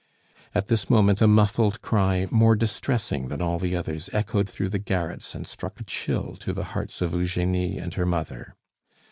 At this moment a muffled cry, more distressing than all the others, echoed through the garrets and struck a chill to the hearts of Eugenie and her mother.